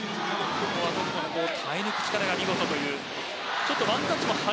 ここはトルコの耐え抜く力が見事という。